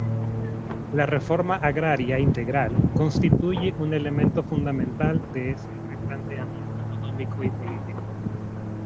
La reforma agraria integral constituye un elemento fundamental de ese replanteamiento económico y político.